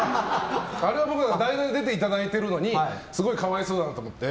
あれは代打で出ていただいてるのに可哀想だなと思って。